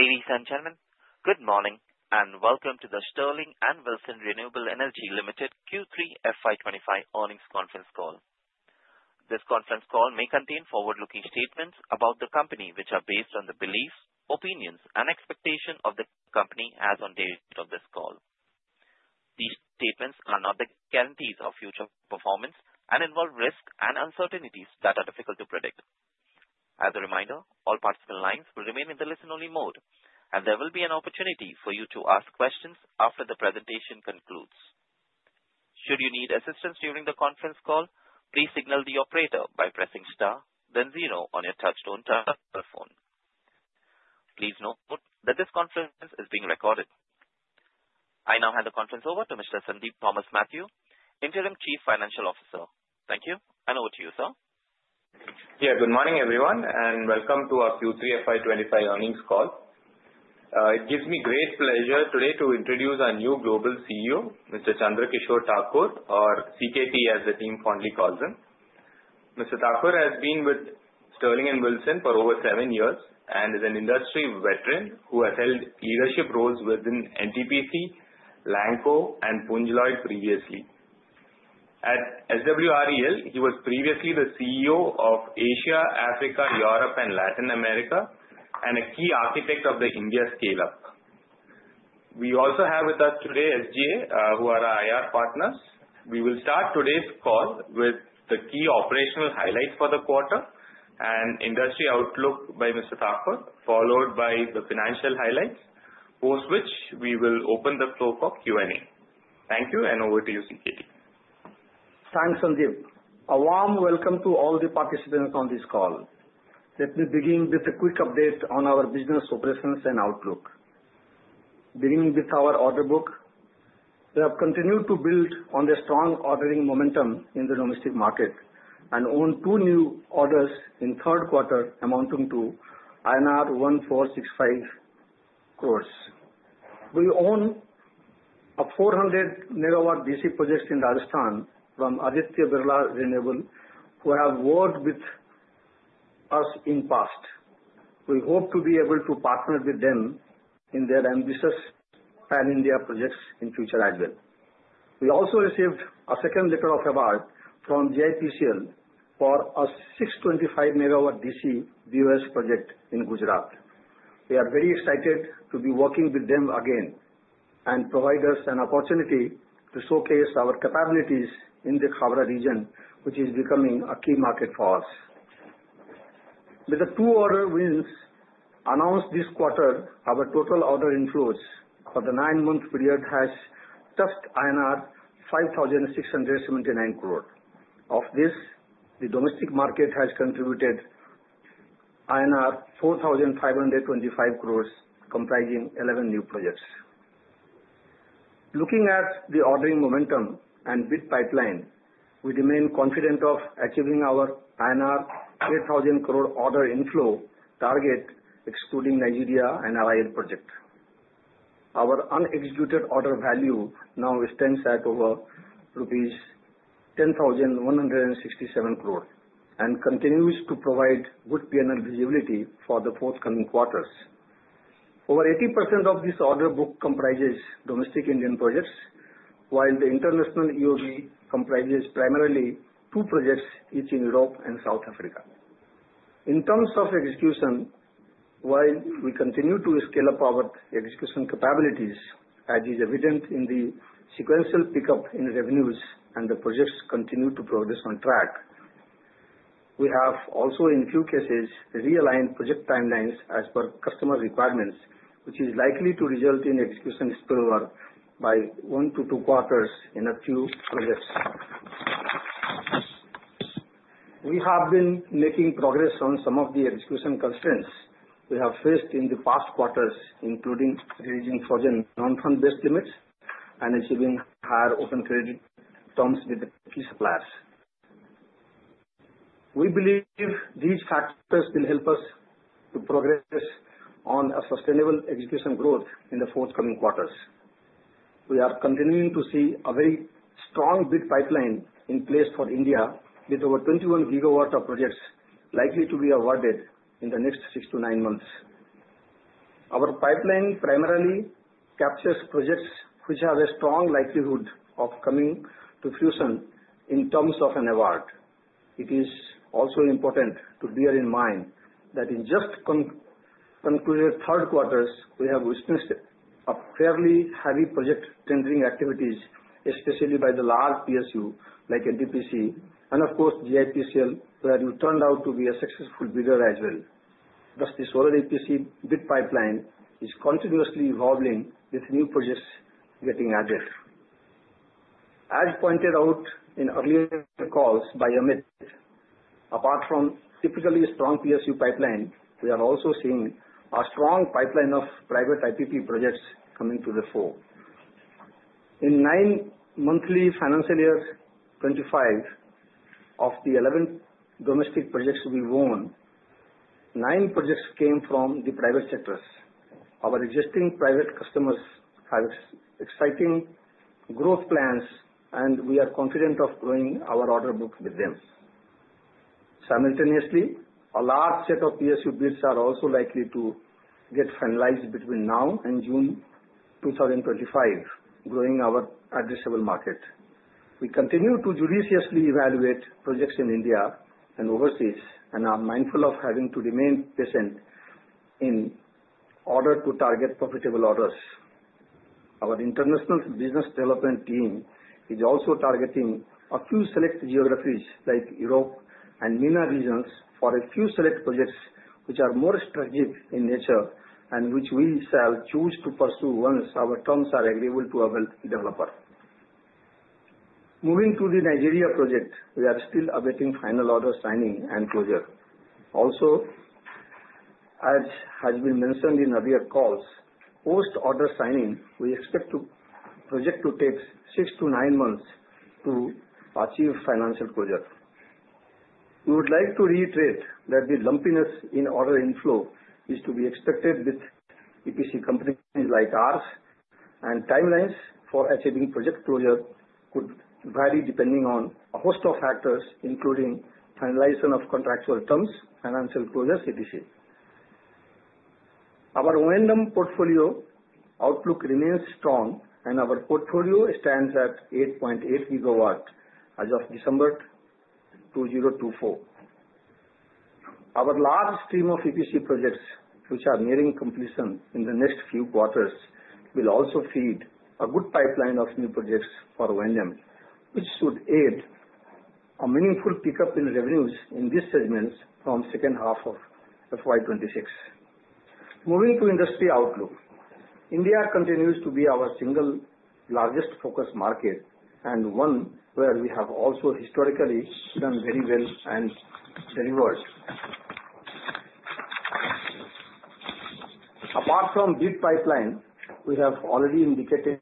Ladies and gentlemen, good morning and welcome to the Sterling and Wilson Renewable Energy Ltd. Q3 FY25 Earnings Conference Call. This conference call may contain forward-looking statements about the company, which are based on the beliefs, opinions, and expectations of the company as of the date of this call. These statements are not the guarantees of future performance and involve risks and uncertainties that are difficult to predict. As a reminder, all participant lines will remain in the listen-only mode, and there will be an opportunity for you to ask questions after the presentation concludes. Should you need assistance during the conference call, please signal the operator by pressing star, then zero on your touch-tone intercom. Please note that this conference is being recorded. I now hand the conference over to Mr. Sandeep Thomas Mathew, Interim Chief Financial Officer. Thank you, and over to you, sir. Yeah, good morning, everyone, and welcome to our Q3 FY25 earnings call. It gives me great pleasure today to introduce our new Global CEO, Mr. Chandra Kishore Thakur, or CKT as the team fondly calls him. Mr. Thakur has been with Sterling and Wilson for over seven years and is an industry veteran who has held leadership roles within NTPC, LANCO, and Punj Lloyd previously. At SWREL, he was previously the CEO of Asia, Africa, Europe, and Latin America, and a key architect of the India scale-up. We also have with us today SGA, who are our IR partners. We will start today's call with the key operational highlights for the quarter and industry outlook by Mr. Thakur, followed by the financial highlights, post which we will open the floor for Q&A. Thank you, and over to you, CKT. Thanks, Sandeep. A warm welcome to all the participants on this call. Let me begin with a quick update on our business operations and outlook. Beginning with our order book, we have continued to build on the strong ordering momentum in the domestic market and won two new orders in the third quarter amounting to INR 1,465 crores. We won a 400 MW DC project in Rajasthan from Aditya Birla Renewables, who have worked with us in the past. We hope to be able to partner with them in their ambitious Pan-India projects in the future as well. We also received a second letter of award from GIPCL for a 625 MW DC BOS project in Gujarat. We are very excited to be working with them again and provide us an opportunity to showcase our capabilities in the Khavda region, which is becoming a key market for us. With the two order wins announced this quarter, our total order inflows for the nine-month period have touched INR 5,679 crores. Of this, the domestic market has contributed INR 4,525 crores, comprising 11 new projects. Looking at the ordering momentum and bid pipeline, we remain confident of achieving our INR 8,000 crore order inflow target, excluding Nigeria and our project. Our unexecuted order value now stands at over rupees 10,167 crore and continues to provide good P&L visibility for the forthcoming quarters. Over 80% of this order book comprises domestic Indian projects, while the international order book comprises primarily two projects, each in Europe and South Africa. In terms of execution, while we continue to scale up our execution capabilities, as is evident in the sequential pickup in revenues and the projects continue to progress on track, we have also, in a few cases, realigned project timelines as per customer requirements, which is likely to result in execution spillover by one to two quarters in a few projects. We have been making progress on some of the execution constraints we have faced in the past quarters, including reducing frozen non-fund-based limits and achieving higher open credit terms with the key suppliers. We believe these factors will help us to progress on a sustainable execution growth in the forthcoming quarters. We are continuing to see a very strong bid pipeline in place for India, with over 21 GW of projects likely to be awarded in the next six to nine months. Our pipeline primarily captures projects which have a strong likelihood of coming to fruition in terms of an award. It is also important to bear in mind that in just concluded third quarters, we have witnessed fairly heavy project tendering activities, especially by the large PSU like NTPC and, of course, GIPCL, where we turned out to be a successful bidder as well. Thus, the solar EPC bid pipeline is continuously evolving with new projects getting added. As pointed out in earlier calls by Amit, apart from typically a strong PSU pipeline, we are also seeing a strong pipeline of private IPP projects coming to the fore. In nine months of financial year 2025, of the 11 domestic projects we won, nine projects came from the private sectors. Our existing private customers have exciting growth plans, and we are confident of growing our order book with them. Simultaneously, a large set of PSU bids are also likely to get finalized between now and June 2025, growing our addressable market. We continue to judiciously evaluate projects in India and overseas and are mindful of having to remain patient in order to target profitable orders. Our international business development team is also targeting a few select geographies like Europe and MENA regions for a few select projects which are more strategic in nature and which we shall choose to pursue once our terms are agreeable to our developer. Moving to the Nigeria project, we are still awaiting final order signing and closure. Also, as has been mentioned in earlier calls, post-order signing, we expect the project to take six to nine months to achieve financial closure. We would like to reiterate that the lumpiness in order inflow is to be expected with EPC companies like ours, and timelines for achieving project closure could vary depending on a host of factors, including finalization of contractual terms, financial closure, etc. Our O&M portfolio outlook remains strong, and our portfolio stands at 8.8 GW as of December 2024. Our large stream of EPC projects, which are nearing completion in the next few quarters, will also feed a good pipeline of new projects for O&M, which should aid a meaningful pickup in revenues in these segments from the second half of FY26. Moving to industry outlook, India continues to be our single largest focus market and one where we have also historically done very well and delivered. Apart from the bid pipeline, we have already indicated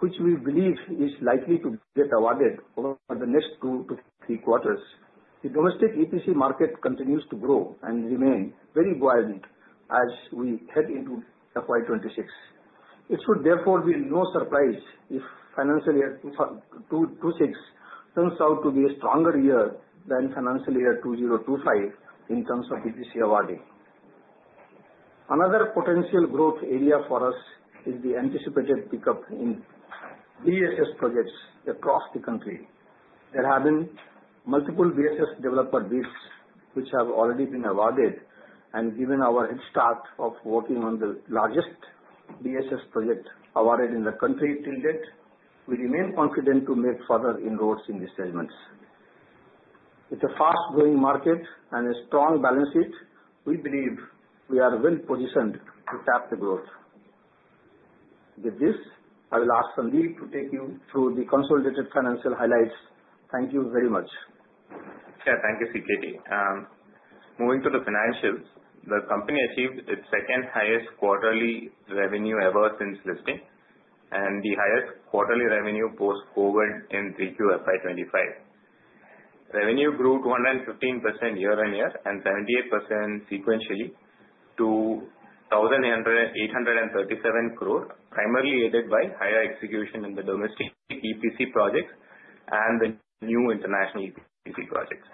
which we believe is likely to get awarded over the next two to three quarters. The domestic EPC market continues to grow and remain very buoyant as we head into FY26. It should therefore be no surprise if financial year 2026 turns out to be a stronger year than financial year 2025 in terms of EPC awarding. Another potential growth area for us is the anticipated pickup in BESS projects across the country. There have been multiple BESS developer bids which have already been awarded and given our head start of working on the largest BESS project awarded in the country till date. We remain confident to make further inroads in these segments. With a fast-growing market and a strong balance sheet, we believe we are well positioned to tap the growth. With this, I will ask Sandeep to take you through the consolidated financial highlights. Thank you very much. Yeah, thank you, CKT. Moving to the financials, the company achieved its second-highest quarterly revenue ever since listing, and the highest quarterly revenue post-COVID in Q3 FY25. Revenue grew 215% year-on-year and 78% sequentially to 1,837 crore, primarily aided by higher execution in the domestic EPC projects and the new international EPC projects.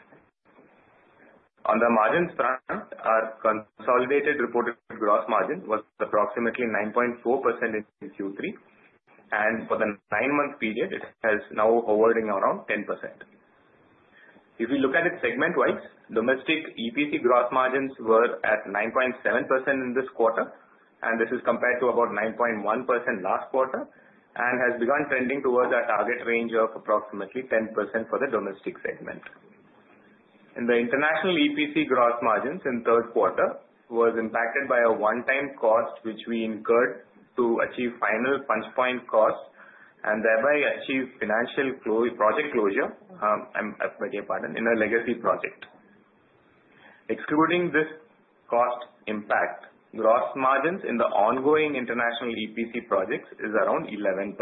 On the margins front, our consolidated reported gross margin was approximately 9.4% in Q3, and for the nine-month period, it has now been averaging around 10%. If we look at it segment-wise, domestic EPC gross margins were at 9.7% in this quarter, and this is compared to about 9.1% last quarter and has begun trending towards our target range of approximately 10% for the domestic segment. In the international EPC gross margins in the third quarter, it was impacted by a one-time cost which we incurred to achieve final punch point costs and thereby achieve financial closure in a legacy project. Excluding this cost impact, gross margins in the ongoing international EPC projects are around 11%.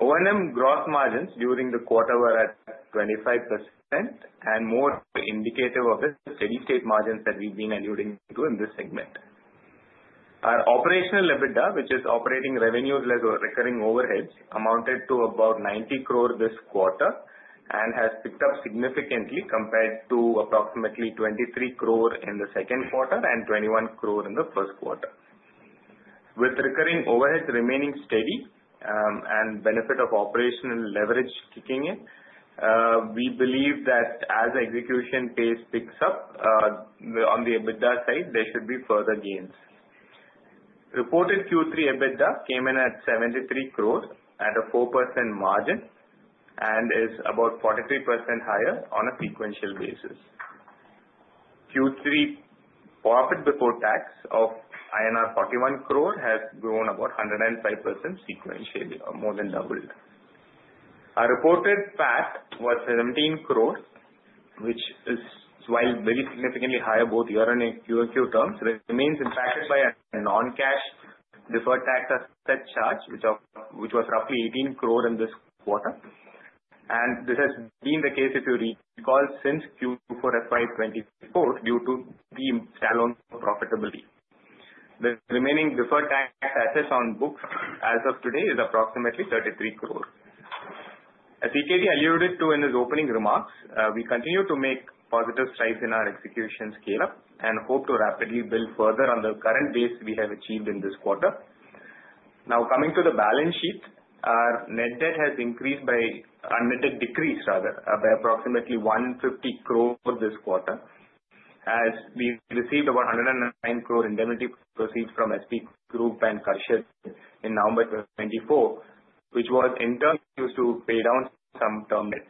O&M gross margins during the quarter were at 25% and more indicative of the steady-state margins that we've been alluding to in this segment. Our operational EBITDA, which is operating revenues less our recurring overheads, amounted to about 90 crore this quarter and has picked up significantly compared to approximately 23 crore in the second quarter and 21 crore in the first quarter. With recurring overheads remaining steady and the benefit of operational leverage kicking in, we believe that as execution pace picks up on the EBITDA side, there should be further gains. Reported Q3 EBITDA came in at 73 crore at a 4% margin and is about 43% higher on a sequential basis. Q3 profit before tax of INR 41 crore has grown about 105% sequentially, more than doubled. Our reported PAT was 17 crore, which is, while very significantly higher both year-on-year and Q-o-Q terms, remains impacted by a non-cash deferred tax asset charge, which was roughly 18 crore in this quarter, and this has been the case, if you recall, since Q4 FY24 due to the stall on profitability. The remaining deferred tax assets on books as of today are approximately 33 crore. As CKT alluded to in his opening remarks, we continue to make positive strides in our execution scale-up and hope to rapidly build further on the current base we have achieved in this quarter. Now, coming to the balance sheet, our net debt has decreased by approximately 150 crore this quarter, as we received about 109 crore indemnity proceeds from SP Group and Khurshed in November 2024, which was in turn used to pay down some term debt.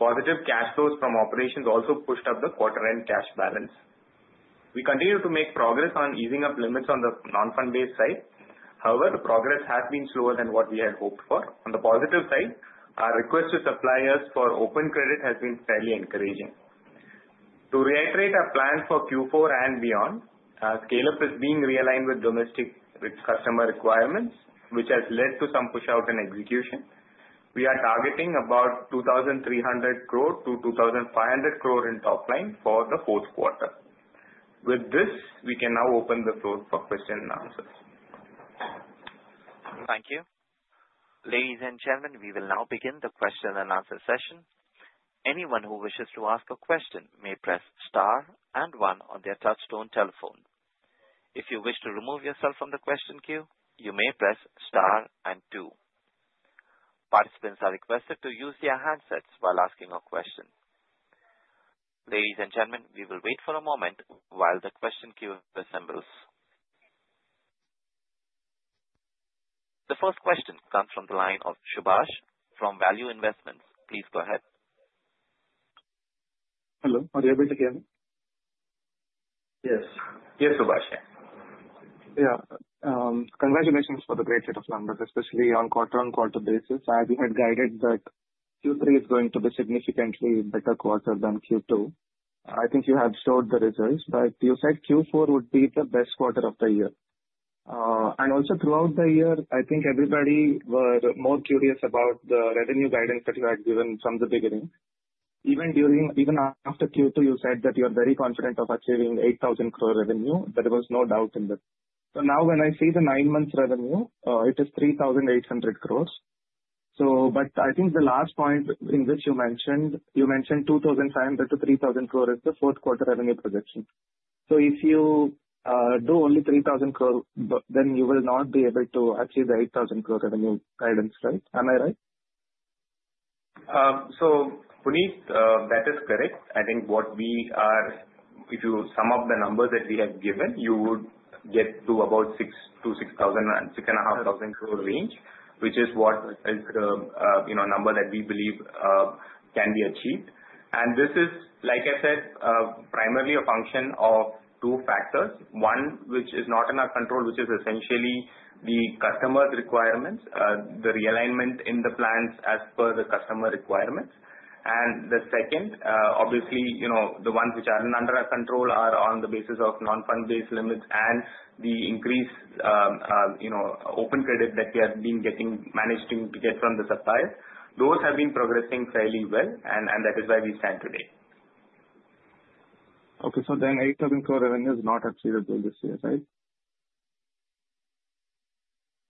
Positive cash flows from operations also pushed up the quarter-end cash balance. We continue to make progress on easing up limits on the non-fund-based side. However, the progress has been slower than what we had hoped for. On the positive side, our request to suppliers for open credit has been fairly encouraging. To reiterate our plan for Q4 and beyond, our scale-up is being realigned with domestic customer requirements, which has led to some push-out in execution. We are targeting about 2,300 crore to 2,500 crore in top line for the fourth quarter. With this, we can now open the floor for questions and answers. Thank you. Ladies and gentlemen, we will now begin the question and answer session. Anyone who wishes to ask a question may press star and one on their touch-tone telephone. If you wish to remove yourself from the question queue, you may press star and two. Participants are requested to use their handsets while asking a question. Ladies and gentlemen, we will wait for a moment while the question queue assembles. The first question comes from the line of Subhash from Value Investments. Please go ahead. Hello, are you able to hear me? Yes. Yes, Subhash. Yeah. Yeah. Congratulations for the great set of numbers, especially on quarter-on-quarter basis. As you had guided that Q3 is going to be a significantly better quarter than Q2, I think you have showed the results, but you said Q4 would be the best quarter of the year. And also, throughout the year, I think everybody was more curious about the revenue guidance that you had given from the beginning. Even after Q2, you said that you are very confident of achieving 8,000 crore revenue. There was no doubt in that. So now, when I see the nine-month revenue, it is 3,800 crores. But I think the last point in which you mentioned 2,500-3,000 crore is the fourth quarter revenue projection. So if you do only 3,000 crore, then you will not be able to achieve the 8,000 crore revenue guidance, right? Am I right? So, Subhash, that is correct. I think what we are, if you sum up the numbers that we have given, you would get to about 6,000-6,500 crore range, which is what is the number that we believe can be achieved. And this is, like I said, primarily a function of two factors. One, which is not in our control, which is essentially the customer's requirements, the realignment in the plans as per the customer requirements. And the second, obviously, the ones which are not under our control are on the basis of non-fund-based limits and the increased open credit that we have been getting, managing to get from the suppliers. Those have been progressing fairly well, and that is why we stand today. Okay. So then 8,000 crore revenue is not achievable this year, right?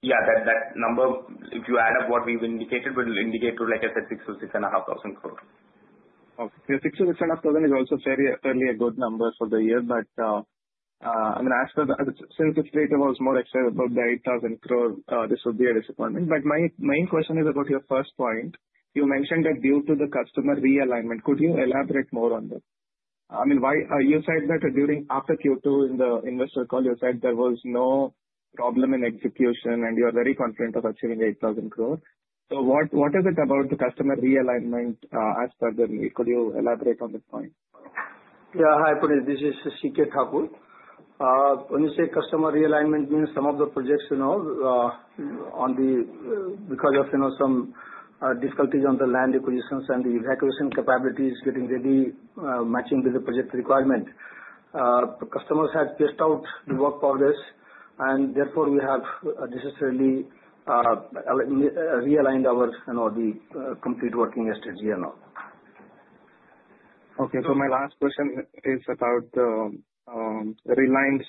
Yeah. That number, if you add up what we've indicated, will indicate to, like I said, 6 crore-6,500 crore. Okay. Yeah, 6,000-6,500 crore is also fairly a good number for the year. But I mean, since the rate was more accessible than 8,000 crore, this would be a disappointment. But my main question is about your first point. You mentioned that due to the customer realignment, could you elaborate more on that? I mean, you said that after Q2, in the investor call, you said there was no problem in execution, and you are very confident of achieving 8,000 crore. So what is it about the customer realignment as per the rate? Could you elaborate on this point? Yeah. Hi, Subhash. This is CKT. When you say customer realignment, means some of the projects on the because of some difficulties on the land acquisitions and the evacuation capabilities getting ready, matching with the project requirement. Customers had pushed out the work for this, and therefore we have necessarily realigned the complete working strategy and all. Okay. So my last question is about the Reliance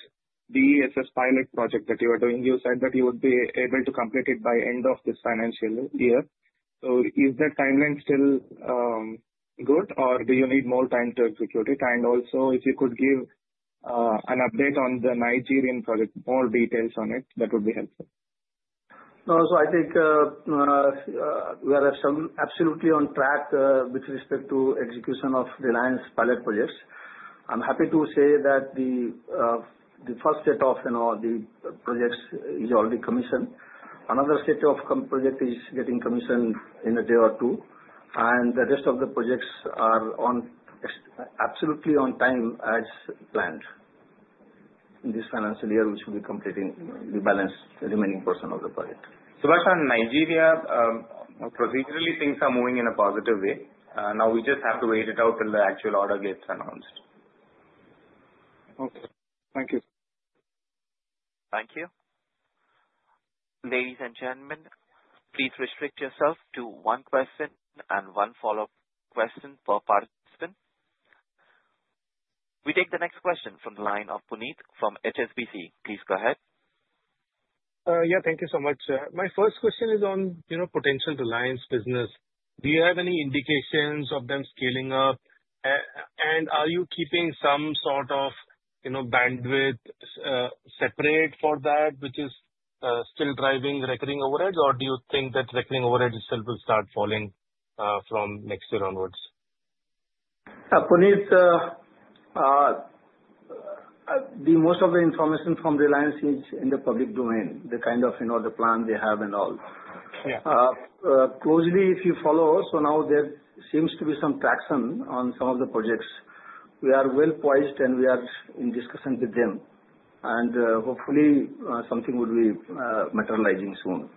BESS pilot project that you are doing. You said that you would be able to complete it by end of this financial year. So is that timeline still good, or do you need more time to execute it? And also, if you could give an update on the Nigerian project, more details on it, that would be helpful. No, so I think we are absolutely on track with respect to execution of Reliance pilot projects. I'm happy to say that the first set of the projects is already commissioned. Another set of projects is getting commissioned in a day or two, and the rest of the projects are absolutely on time as planned in this financial year, which will be completing the balance remaining portion of the project. Subhash, on Nigeria, procedurally, things are moving in a positive way. Now, we just have to wait it out till the actual order gets announced. Okay. Thank you. Thank you. Ladies and gentlemen, please restrict yourself to one question and one follow-up question per participant. We take the next question from the line of Puneet from HSBC. Please go ahead. Yeah. Thank you so much. My first question is on potential Reliance business. Do you have any indications of them scaling up? And are you keeping some sort of bandwidth separate for that, which is still driving recurring overhead, or do you think that recurring overhead itself will start falling from next year onwards? Puneet, most of the information from Reliance is in the public domain, the kind of plan they have and all. Closely, if you follow, so now there seems to be some traction on some of the projects. We are well poised, and we are in discussion with them, and hopefully, something would be materializing soon.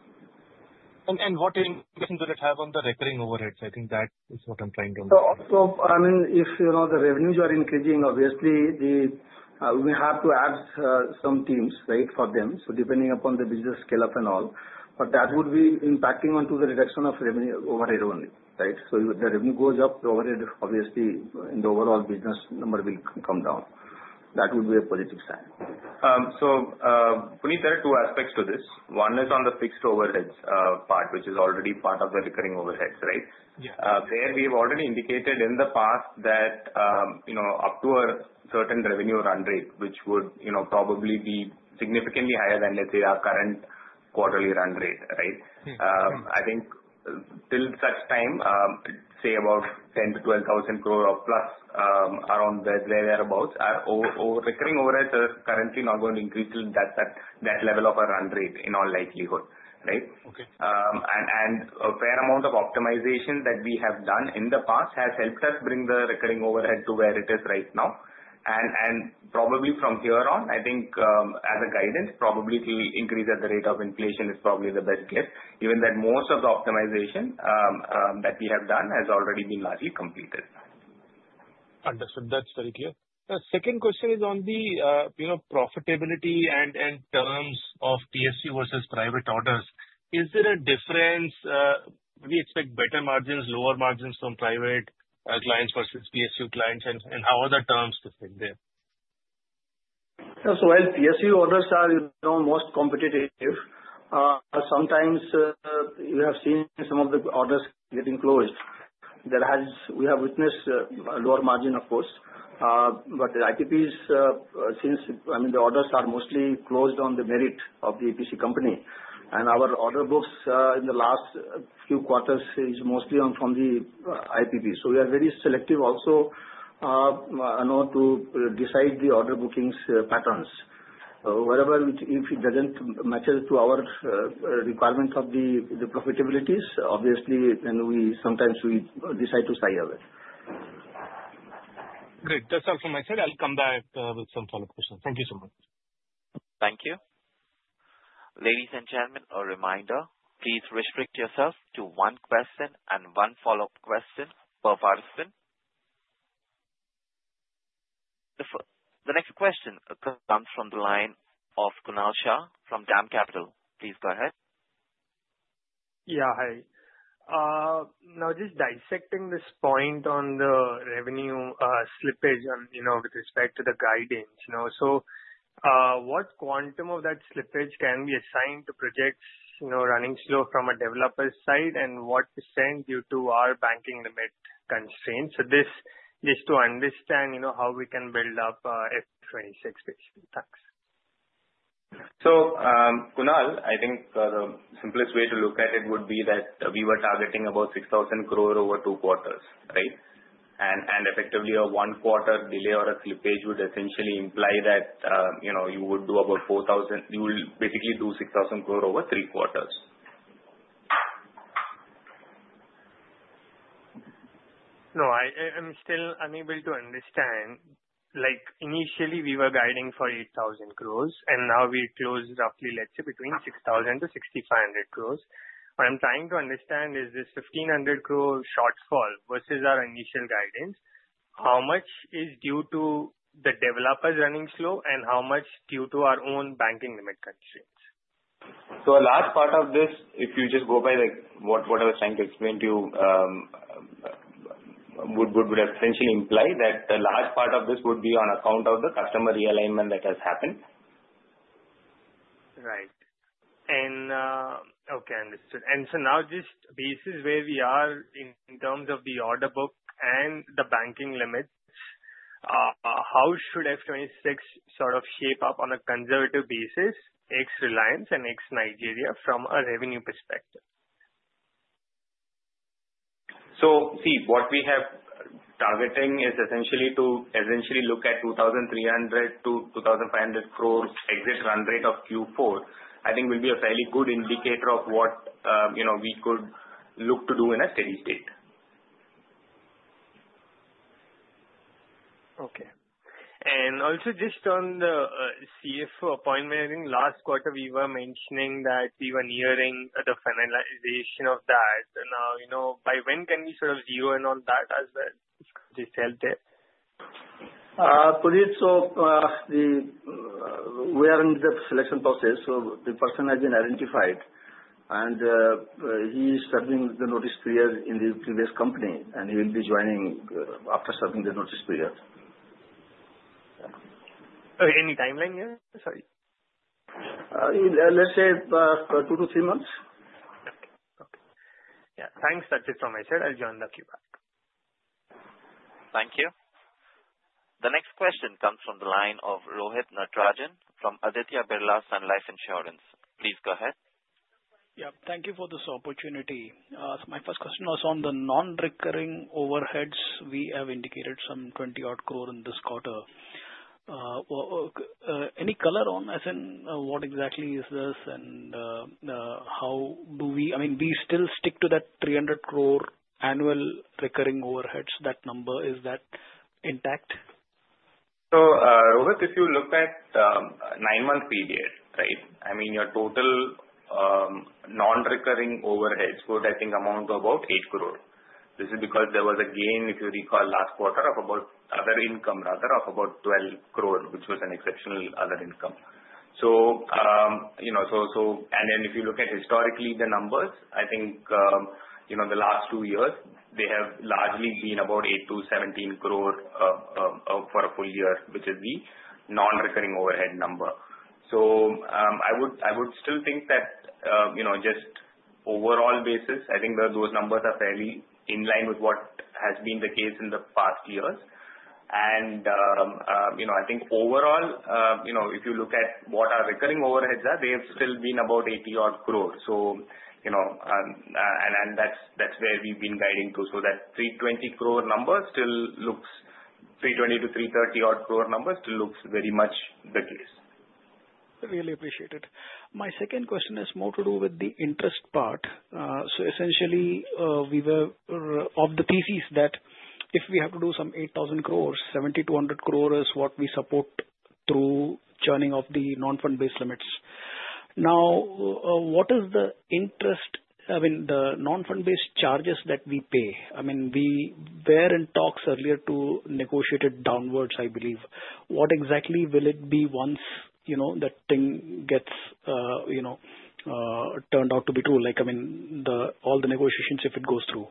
What indication does it have on the recurring overheads? I think that is what I'm trying to understand. So also, I mean, if the revenues are increasing, obviously, we have to add some teams for them, so depending upon the business scale-up and all. But that would be impacting onto the reduction of overhead only, right? So if the revenue goes up, the overhead, obviously, in the overall business number will come down. That would be a positive sign. So Puneet, there are two aspects to this. One is on the fixed overheads part, which is already part of the recurring overheads, right? Yeah. There we have already indicated in the past that up to a certain revenue run rate, which would probably be significantly higher than, let's say, our current quarterly run rate, right? I think till such time, say about 10,000-12,000 crore or plus around thereabouts, our recurring overheads are currently not going to increase to that level of a run rate in all likelihood, right? And a fair amount of optimization that we have done in the past has helped us bring the recurring overhead to where it is right now. And probably from here on, I think as a guidance, probably to increase at the rate of inflation is probably the best guess, given that most of the optimization that we have done has already been largely completed. Understood. That's very clear. The second question is on the profitability and terms of PSU versus private orders. Is there a difference? We expect better margins, lower margins from private clients versus PSU clients, and how are the terms different there? So while SECI orders are most competitive, sometimes you have seen some of the orders getting closed. We have witnessed lower margin, of course. But the IPPs, I mean, the orders are mostly closed on the merit of the EPC company. And our order books in the last few quarters are mostly from the IPP. So we are very selective also to decide the order bookings patterns. Wherever it doesn't match to our requirement of the profitabilities, obviously, then sometimes we decide to walk away. Great. That's all from my side. I'll come back with some follow-up questions. Thank you so much. Thank you. Ladies and gentlemen, a reminder. Please restrict yourself to one question and one follow-up question per participant. The next question comes from the line of Kunal Shah from DAM Capital. Please go ahead. Yeah. Hi. Now, just dissecting this point on the revenue slippage with respect to the guidance so what quantum of that slippage can we assign to projects running slow from a developer's side and what percentage due to our banking limit constraints so just to understand how we can build up F26 basically. Thanks. So Kunal, I think the simplest way to look at it would be that we were targeting about 6,000 crore over two quarters, right? And effectively, a one-quarter delay or a slippage would essentially imply that you would do about 4,000. You would basically do 6,000 crore over three quarters. No, I'm still unable to understand. Initially, we were guiding for 8,000 crores, and now we closed roughly, let's say, between 6,000-6,500 crores. What I'm trying to understand is this 1,500 crore shortfall versus our initial guidance. How much is due to the developers running slow, and how much due to our own banking limit constraints? So a large part of this, if you just go by what I was trying to explain to you, would essentially imply that a large part of this would be on account of the customer realignment that has happened. Right. Okay. Understood. And so now, just based on where we are in terms of the order book and the banking limits, how should FY26 sort of shape up on a conservative basis ex Reliance and ex Nigeria from a revenue perspective? See, what we have targeting is essentially to look at 2,300-2,500 crore exit run rate of Q4. I think it will be a fairly good indicator of what we could look to do in a steady state. Okay. And also, just on the CFO appointment, I think last quarter, we were mentioning that we were nearing the finalization of that. Now, by when can we sort of zero in on that as well? Just help there. Puneet, so we are in the selection process. So the person has been identified, and he is serving the notice period in the previous company, and he will be joining after serving the notice period. Any timeline here? Sorry. Let's say two to three months. Okay. Okay. Yeah. Thanks. That's it from my side. I'll join the Q&A. Thank you. The next question comes from the line of Rohit Natarajan from Aditya Birla Sun Life Insurance. Please go ahead. Yeah. Thank you for this opportunity. So my first question was on the non-recurring overheads. We have indicated some 20-odd crore in this quarter. Any color on, as in what exactly is this and how do we, I mean, do we still stick to that 300 crore annual recurring overheads? That number, is that intact? So, Rohit, if you look at the nine-month period, right? I mean, your total non-recurring overheads would, I think, amount to about 8 crore. This is because there was a gain, if you recall, last quarter of about other income, rather, of about 12 crore, which was an exceptional other income. So and then if you look at historically the numbers, I think the last two years, they have largely been about 8-17 crore for a full year, which is the non-recurring overhead number. So I would still think that just overall basis, I think those numbers are fairly in line with what has been the case in the past years. And I think overall, if you look at what our recurring overheads are, they have still been about 80-odd crore. So and that's where we've been guiding to. That 320 crore to 330-odd crore number still looks very much the case. Really appreciate it. My second question has more to do with the interest part. So essentially, we were of the thesis that if we have to do some 8,000 crores, 7,200 crore is what we support through churning of the non-fund-based limits. Now, what is the interest? I mean, the non-fund-based charges that we pay? I mean, we were in talks earlier to negotiate it downwards, I believe. What exactly will it be once that thing gets turned out to be true? I mean, all the negotiations, if it goes through?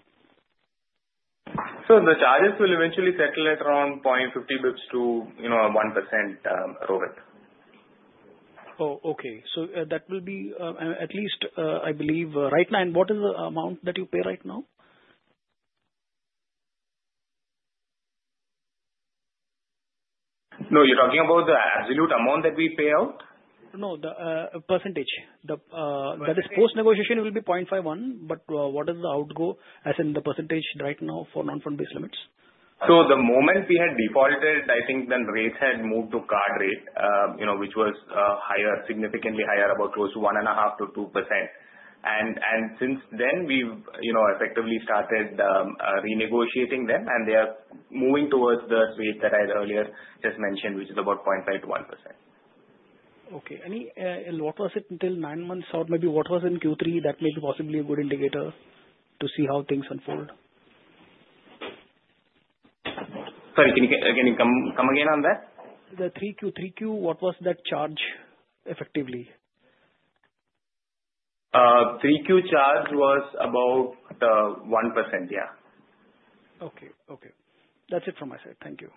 The charges will eventually settle at around 0.50 basis points to 1%, Rohit. Oh, okay. So that will be at least, I believe, right now. And what is the amount that you pay right now? No, you're talking about the absolute amount that we pay out? No, the percentage. That is post-negotiation will be 0.51%, but what is the outgo as in the percentage right now for non-fund-based limits? The moment we had defaulted, I think then rates had moved to card rate, which was higher, significantly higher, about close to 1.5%-2%. Since then, we've effectively started renegotiating them, and they are moving towards the rate that I earlier just mentioned, which is about 0.5%-1%. Okay. And what was it until nine months out? Maybe what was in Q3? That may be possibly a good indicator to see how things unfold. Sorry, can you come again on that? The Q3Q, what was that charge effectively? 3Q charge was about 1%, yeah. Okay. Okay. That's it from my side. Thank you.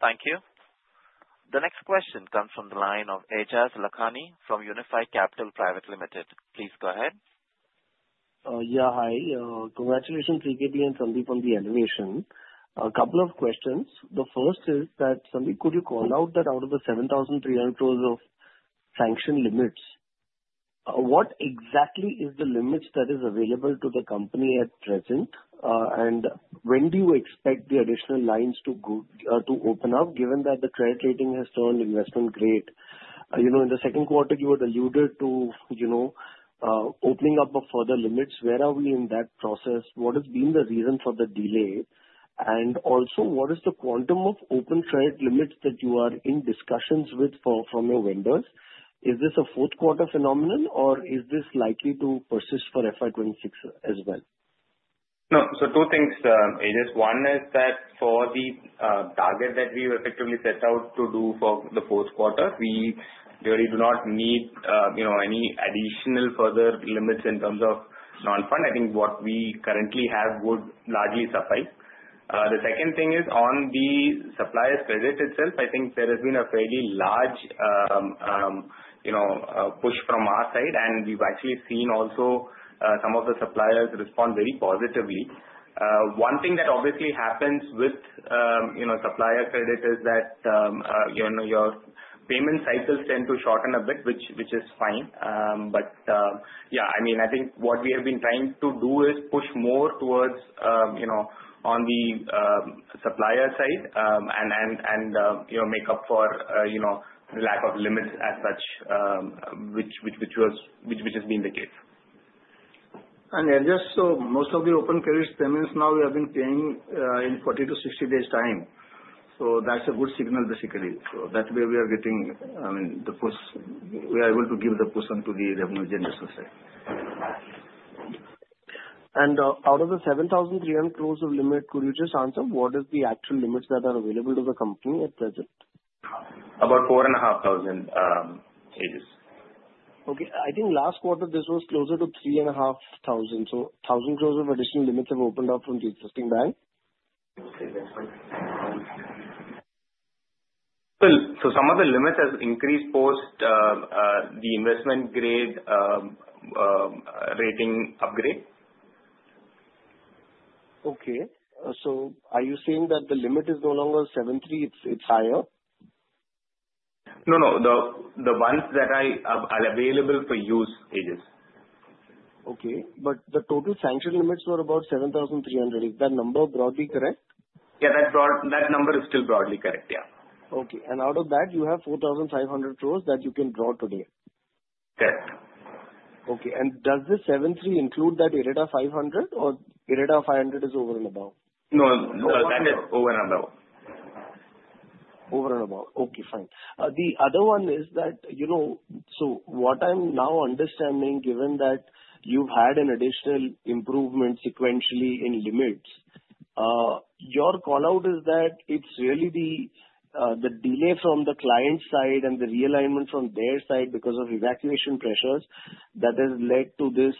Thank you. The next question comes from the line of Aejas Lakhani from Unifi Capital Pvt Ltd. Please go ahead. Yeah. Hi. Congratulations repeatedly and thank you for the elevation. A couple of questions. The first is that, Sandi, could you call out that, out of the 7,300 crores of sanctioned limits, what exactly is the limits that is available to the company at present? And when do you expect the additional lines to open up, given that the credit rating has turned investment-grade? In the second quarter, you had alluded to opening up of further limits. Where are we in that process? What has been the reason for the delay? And also, what is the quantum of open credit limits that you are in discussions with from your vendors? Is this a fourth-quarter phenomenon, or is this likely to persist for FY26 as well? No. So two things, Aejas. One is that for the target that we effectively set out to do for the fourth quarter, we really do not need any additional further limits in terms of non-fund-based. I think what we currently have would largely suffice. The second thing is on the supplier's credit itself. I think there has been a fairly large push from our side, and we've actually seen also some of the suppliers respond very positively. One thing that obviously happens with supplier credit is that your payment cycles tend to shorten a bit, which is fine. But yeah, I mean, I think what we have been trying to do is push more towards on the supplier side and make up for the lack of limits as such, which has been the case. Just so most of the open credit payments now, we have been paying in 40-60 days' time. That's a good signal, basically. That way, we are getting the push. We are able to give the push onto the revenue agenda, so sir. Out of the 7,300 crores of limit, could you just answer what is the actual limits that are available to the company at present? About 4,500, Aejas. Okay. I think last quarter, this was closer to 3,500. So 1,000 crores of additional limits have opened up from the existing bank? Some of the limits have increased post the investment-grade rating upgrade. Okay. So are you saying that the limit is no longer 7,300? It's higher? No, no. The ones that are available for use, Aejas. Okay. But the total sanctioned limits were about 7,300. Is that number broadly correct? Yeah. That number is still broadly correct, yeah. Okay. And out of that, you have 4,500 crores that you can draw today? Correct. Okay. And does the 7,300 include that IREDA 500, or IREDA 500 is over and above? No, no. That is over and above. Over and above. Okay. Fine. The other one is that so what I'm now understanding, given that you've had an additional improvement sequentially in limits, your callout is that it's really the delay from the client side and the realignment from their side because of evacuation pressures that has led to this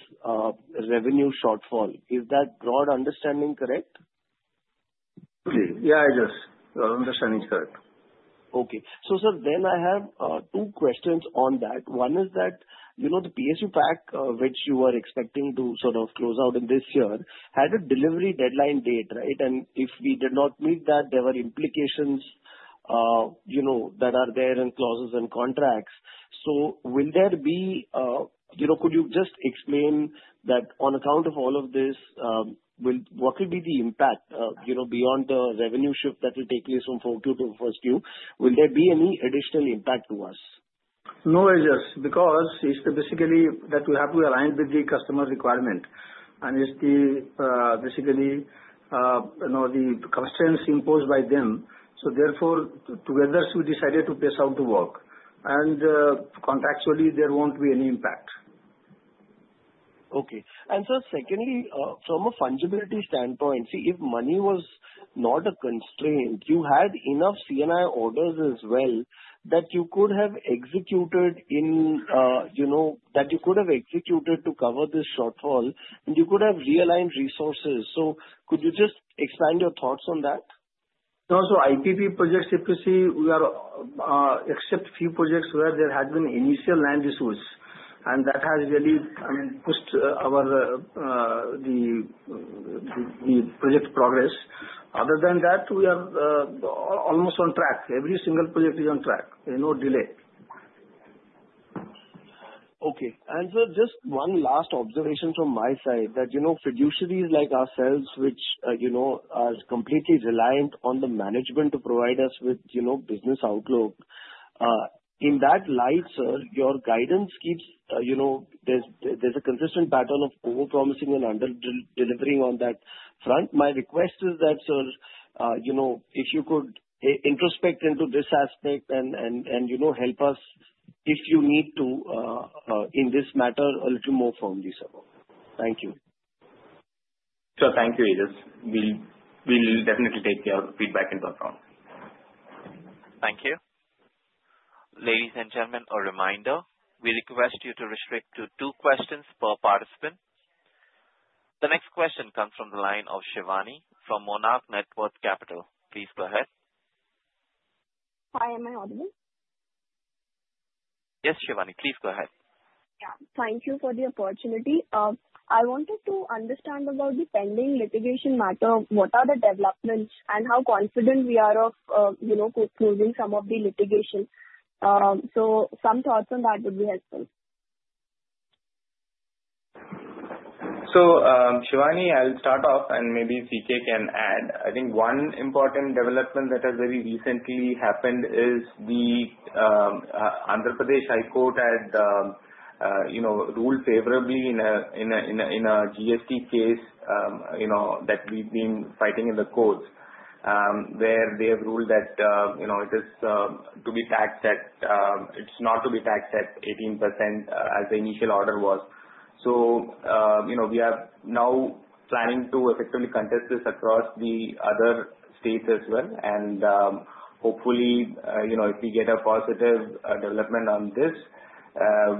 revenue shortfall. Is that broad understanding correct? Yeah, Aejas. Your understanding is correct. Okay. So, sir, then I have two questions on that. One is that the PSU pact, which you were expecting to sort of close out in this year, had a delivery deadline date, right? And if we did not meet that, there were implications that are there in clauses and contracts. So, will there be? Could you just explain that on account of all of this, what will be the impact beyond the revenue shift that will take place from Q2 to Q1? Will there be any additional impact to us? No, Aejas, because it's basically that we have to align with the customer's requirement. And it's basically the constraints imposed by them. So therefore, together, we decided to push out the work. And contractually, there won't be any impact. Okay. And sir, secondly, from a fungibility standpoint, see, if money was not a constraint, you had enough C&I orders as well that you could have executed to cover this shortfall, and you could have realigned resources. So could you just expand your thoughts on that? No, so IPP projects, if you see, we are except few projects where there has been initial land issues, and that has really, I mean, pushed the project progress. Other than that, we are almost on track. Every single project is on track. There's no delay. Okay. And sir, just one last observation from my side that fiduciaries like ourselves, which are completely reliant on the management to provide us with business outlook, in that light, sir, your guidance, there's a consistent pattern of over-promising and under-delivering on that front. My request is that, sir, if you could introspect into this aspect and help us if you need to in this matter a little more firmly, sir. Thank you. Sir, thank you, Aejas. We'll definitely take your feedback and work on. Thank you. Ladies and gentlemen, a reminder. We request you to restrict to two questions per participant. The next question comes from the line of Shiwani from Monarch Networth Capital. Please go ahead. Hi. Am I audible? Yes, Shiwani. Please go ahead. Yeah. Thank you for the opportunity. I wanted to understand about the pending litigation matter, what are the developments, and how confident we are of closing some of the litigation. So some thoughts on that would be helpful. Shiwani, I'll start off, and maybe VK can add. I think one important development that has very recently happened is the Andhra Pradesh High Court had ruled favorably in a GST case that we've been fighting in the courts, where they have ruled that it is not to be taxed at 18% as the initial order was. We are now planning to effectively contest this across the other states as well. And hopefully, if we get a positive development on this,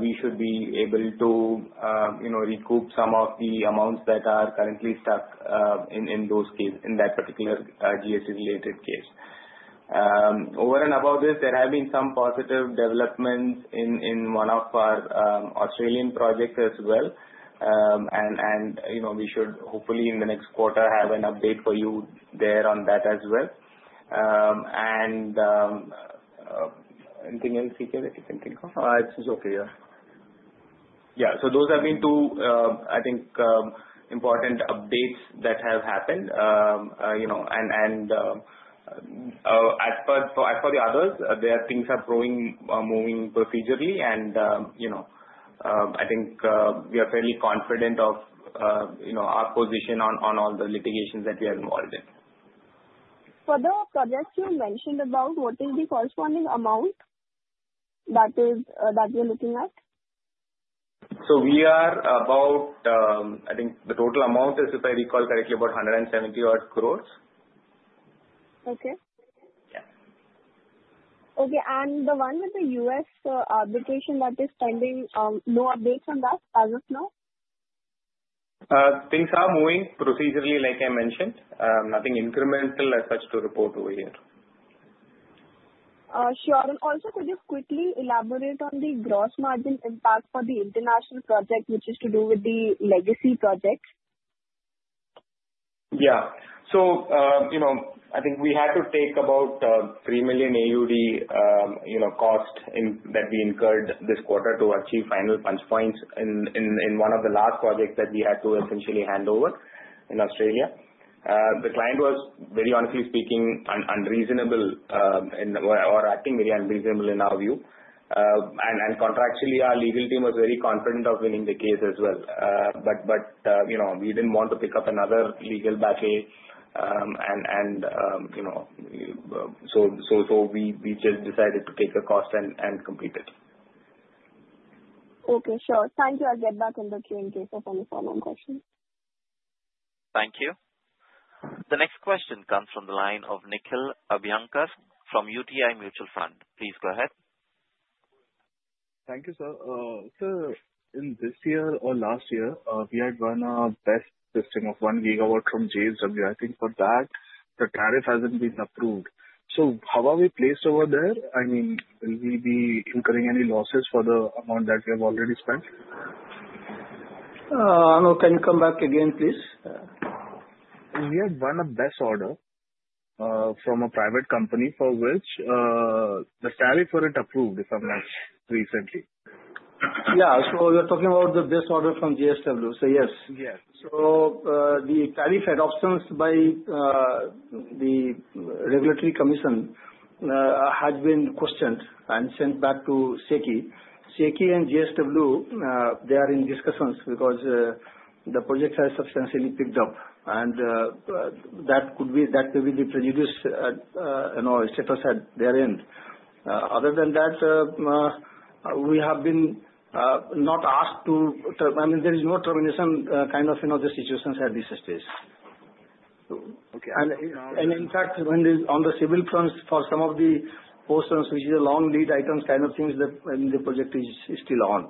we should be able to recoup some of the amounts that are currently stuck in that particular GST-related case. Over and above this, there have been some positive developments in one of our Australian projects as well. And we should hopefully, in the next quarter, have an update for you there on that as well. Anything else, VK, that you can think of? It's okay, yeah. Yeah. So those have been two, I think, important updates that have happened. And as for the others, things are moving procedurally. And I think we are fairly confident of our position on all the litigations that we are involved in. For the projects you mentioned about, what is the corresponding amount that you're looking at? We are about, I think the total amount is, if I recall correctly, about 170-odd crores. Okay. Yeah. Okay, and the one with the U.S. arbitration that is pending, no updates on that as of now? Things are moving procedurally, like I mentioned. Nothing incremental as such to report over here. Sure. And also, could you quickly elaborate on the gross margin impact for the international project, which is to do with the legacy projects? Yeah, so I think we had to take about 3 million AUD cost that we incurred this quarter to achieve final punch points in one of the last projects that we had to essentially hand over in Australia. The client was, very honestly speaking, unreasonable or acting very unreasonable in our view, and contractually, our legal team was very confident of winning the case as well. But we didn't want to pick up another legal battle, and so we just decided to take the cost and complete it. Okay. Sure. Thank you. I'll get back on the Q&A for any follow-on questions. Thank you. The next question comes from the line of Nikhil Abhyankar from UTI Mutual Fund. Please go ahead. Thank you, sir. Sir, in this year or last year, we had run our BESS system of one gigawatt from JSW. I think for that, the tariff hasn't been approved. So how are we placed over there? I mean, will we be incurring any losses for the amount that we have already spent? Can you come back again, please? We had won a BESS order from a private company for which the tariff wasn't approved, if I'm not mistaken. Yeah. So you're talking about the BESS order from JSW. So yes. Yes. The tariff adoptions by the regulatory commission had been questioned and sent back to SECI. SECI and JSW, they are in discussions because the project has substantially picked up. That may be the present status at their end. Other than that, we have been not asked to I mean, there is no termination kind of situations at this stage. In fact, on the civil fronts, for some of the portions, which is a long lead item kind of thing, the project is still on.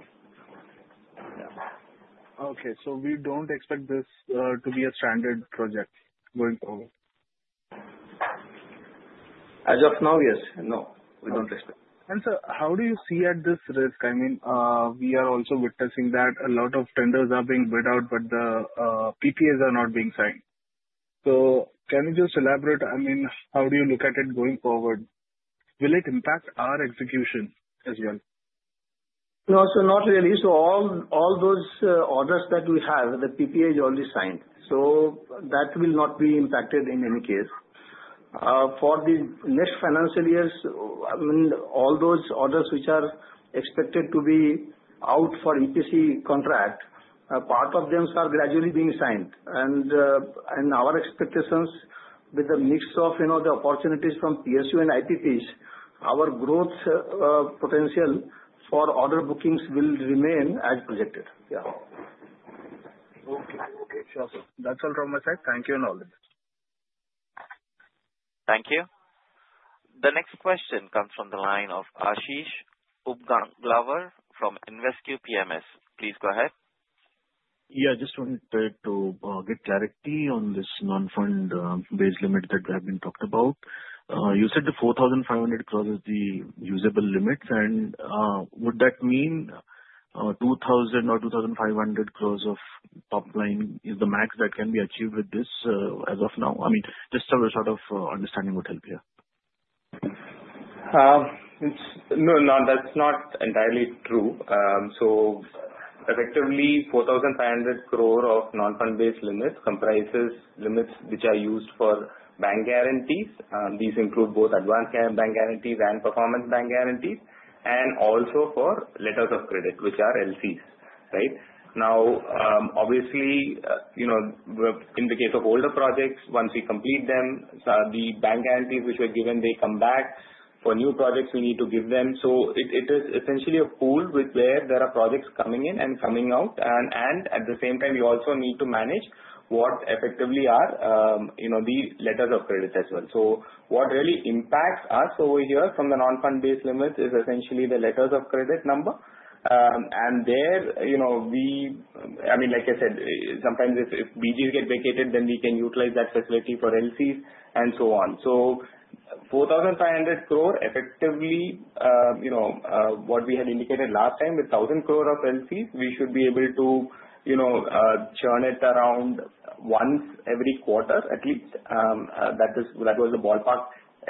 Okay. So we don't expect this to be a stranded project going forward? As of now, yes. No, we don't expect. Sir, how do you see at this risk? I mean, we are also witnessing that a lot of tenders are being bid out, but the PPAs are not being signed. Can you just elaborate? I mean, how do you look at it going forward? Will it impact our execution as well? No, sir, not really. So all those orders that we have, the PPA is already signed. So that will not be impacted in any case. For the next financial years, I mean, all those orders which are expected to be out for EPC contract, part of them are gradually being signed, and our expectations with the mix of the opportunities from PSU and IPPs, our growth potential for order bookings will remain as projected. Yeah. Okay. Okay. Sure. That's all from my side. Thank you and all. Thank you. The next question comes from the line of Aashish Upganlawar from Invesco PMS. Please go ahead. Yeah. Just wanted to get clarity on this non-fund-based limit that we have been talking about. You said the 4,500 crores is the usable limit, and would that mean 2,000 or 2,500 crores of top line is the max that can be achieved with this as of now? I mean, just sort of understanding would help here. No, no. That's not entirely true. So effectively, 4,500 crores of non-fund-based limit comprises limits which are used for bank guarantees. These include both advanced bank guarantees and performance bank guarantees, and also for letters of credit, which are LCs, right? Now, obviously, in the case of older projects, once we complete them, the bank guarantees which were given, they come back. For new projects, we need to give them. So it is essentially a pool where there are projects coming in and coming out. And at the same time, we also need to manage what effectively are the letters of credit as well. So what really impacts us over here from the non-fund-based limits is essentially the letters of credit number. And there, I mean, like I said, sometimes if BGs get vacated, then we can utilize that facility for LCs and so on. So 4,500 crores effectively, what we had indicated last time with 1,000 crores of LCs, we should be able to churn it around once every quarter, at least. That was the ballpark